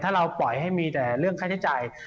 ถ้าเราปล่อยให้มีแต่เรื่องค่าใช้จ่าย